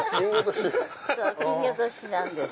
そう金魚年なんです。